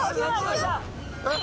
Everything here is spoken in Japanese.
あっ！